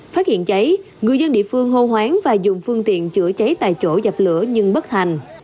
phát hiện cháy người dân địa phương hô hoáng và dùng phương tiện chữa cháy tại chỗ dập lửa nhưng bất thành